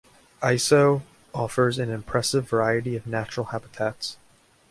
Aiseau offers an impressive variety of natural habitats.